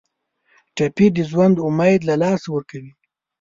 ټپي د ژوند امید له لاسه ورکوي.